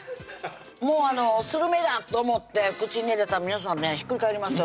もうあのするめだと思って口に入れたら皆さんねひっくり返りますよ